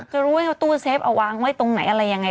จะรู้ว่าตู้เซฟเอาวางไว้ตรงไหนอะไรอย่างไร